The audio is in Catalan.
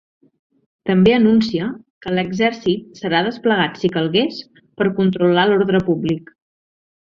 També anuncia que l’exèrcit serà desplegat, si calgués, per controlar l’ordre públic.